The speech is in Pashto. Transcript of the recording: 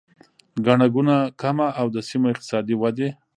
ګڼه ګوڼه کمه او د سیمو اقتصادي ودې